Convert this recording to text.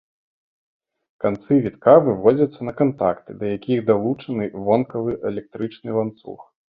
Канцы вітка выводзяцца на кантакты, да якіх далучаны вонкавы электрычны ланцуг.